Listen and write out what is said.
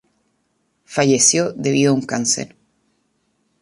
Falleció debido a un cáncer.